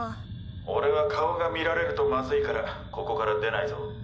俺は顔が見られるとまずいからここから出ないぞ。